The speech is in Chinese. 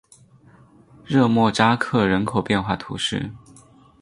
热莫扎克人口变化图示